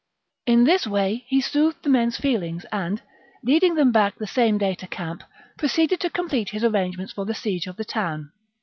In this way he soothed the men's feelings, and, leading them back the same day to camp, proceeded to complete his arrangements for the siege of the town.